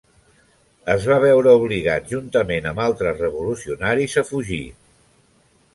Es va veure obligat juntament altres revolucionaris a fugir.